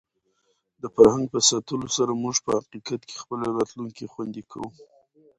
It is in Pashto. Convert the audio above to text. د فرهنګ په ساتلو سره موږ په حقیقت کې خپله راتلونکې خوندي کوو.